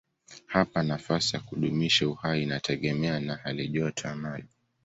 Hapa nafasi ya kudumisha uhai inategemea na halijoto ya maji.